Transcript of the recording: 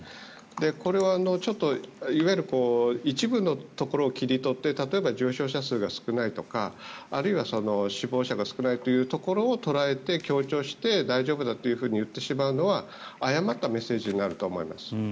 これはいわゆる一部のところを切り取って例えば重症者が少ないとかあるいは死亡者が少ないというところを捉えて強調して大丈夫だと言ってしまうのは誤ったメッセージになると思います。